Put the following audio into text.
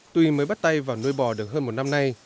tuy mới bắt tay vào nuôi bò được hơn một năm nay